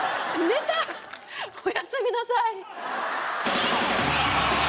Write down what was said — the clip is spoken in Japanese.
寝たおやすみなさい